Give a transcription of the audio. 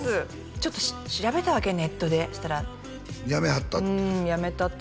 ちょっと調べたわけネットでそしたらやめはったって？